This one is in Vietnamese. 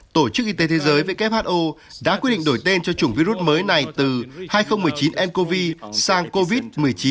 tổ chức y tế thế giới who đã quyết định đổi tên cho chủng virus mới này từ hai nghìn một mươi chín ncov sang covid một mươi chín